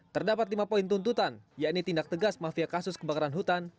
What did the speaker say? terdapat lima poin tuntutan yakni tindak tegas mafia kasus kebakaran hutan